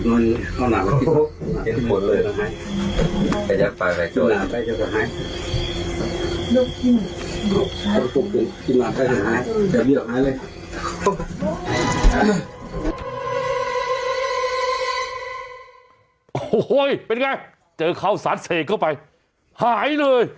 โอ้โหเป็นไงเจอข้าวสารเสกเข้าไปหายเลย